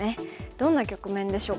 どんな局面でしょうか。